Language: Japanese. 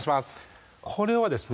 これはですね